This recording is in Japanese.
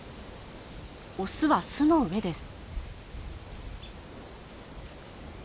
オスは巣の上です。